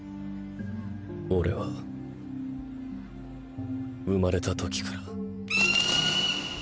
オレは生まれた時から。